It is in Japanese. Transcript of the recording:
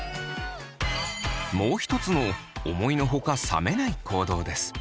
もう一つの思いのほか冷めない行動です。